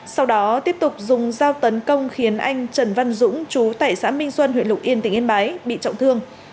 sau đó tiếp tục dùng dao tấn công khiến anh trần văn dũng chú tại xã minh xuân huyện lục yên tỉnh yên bái bị trọng thương